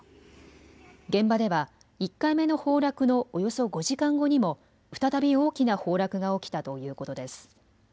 現場では１回目の崩落のおよそ５時間後にも再び大きな崩落が起きたということです。